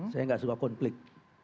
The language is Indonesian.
saya enggak suka konflik